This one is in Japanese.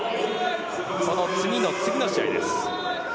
その次の次の試合です。